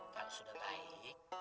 kalau sudah baik